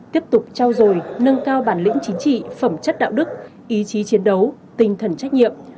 tiếp tục trao dồi nâng cao bản lĩnh chính trị phẩm chất đạo đức ý chí chiến đấu tinh thần trách nhiệm